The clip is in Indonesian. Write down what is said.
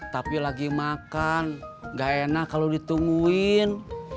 tapi lagi makan gak enak kalau ditungguin